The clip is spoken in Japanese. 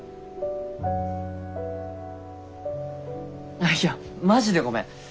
ああいやマジでごめん。